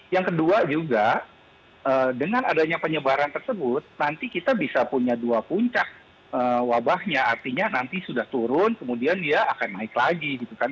yang kedua juga dengan adanya penyebaran tersebut nanti kita bisa punya dua puncak wabahnya artinya nanti sudah turun kemudian dia akan naik lagi gitu kan